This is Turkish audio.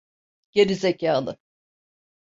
Geri zekâlı!